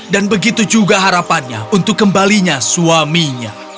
dan begitu juga harapannya untuk kembalinya suaminya